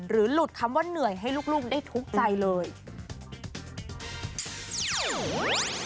หลุดคำว่าเหนื่อยให้ลูกได้ทุกข์ใจเลย